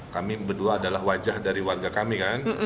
kami berdua adalah wajah dari warga kami kan